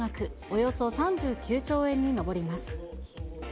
およそ３９兆円に上ります。